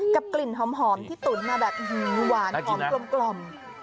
กลิ่นหอมที่ตุ๋นมาแบบหวานหอมกลม